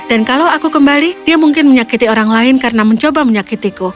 dan kalau aku kembali dia mungkin menyakiti orang lain karena mencoba menyakitimu